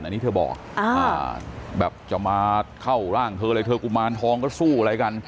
อันนี้เธอบอกแบบจะมาเข้าร่างเธอเลยเธอกุมารทองก็สู้อะไรกัน